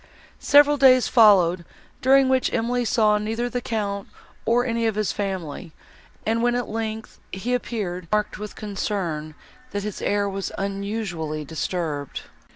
Several days followed, during which Emily saw neither the Count, nor any of his family; and, when, at length, he appeared, she remarked, with concern, that his air was unusually disturbed.